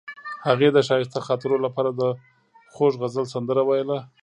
هغې د ښایسته خاطرو لپاره د خوږ غزل سندره ویله.